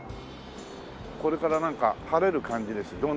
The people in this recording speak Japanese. これからなんか晴れる感じです。